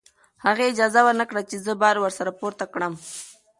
هغې اجازه ورنکړه چې زه بار ورسره پورته کړم.